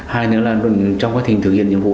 hai nữa là trong quá trình thực hiện nhiệm vụ